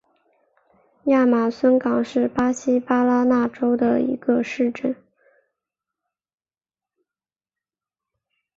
亚马孙港是巴西巴拉那州的一个市镇。